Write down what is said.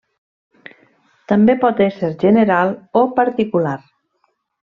També pot ésser general o particular.